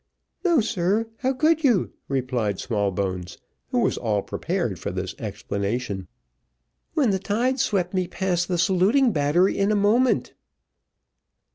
"No, sir, how could you?" replied Smallbones, who was all prepared for this explanation, "when the tide swept me past the saluting battery in a moment."